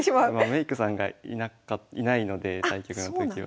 メイクさんがいないので対局の時は。